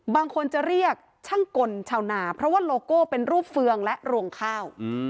บางคนจะเรียกช่างกลชาวนาเพราะว่าโลโก้เป็นรูปเฟืองและรวงข้าว